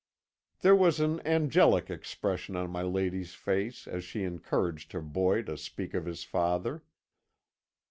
"There was an angelic expression on my lady's face as she encouraged her boy to speak of his father.